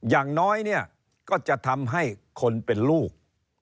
อย่างน้อยเนี่ยก็จะทำให้คนเป็นลูก